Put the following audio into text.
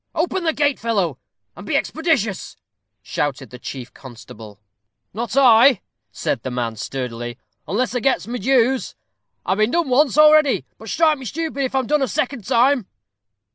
"Open the gate, fellow, and be expeditious," shouted the chief constable. "Not I," said the man, sturdily, "unless I gets my dues. I've been done once already. But strike me stupid if I'm done a second time."